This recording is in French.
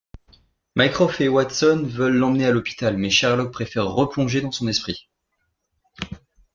Mycroft et Watson veulent l'emmener à l'hôpital, mais Sherlock préfère replonger dans son esprit.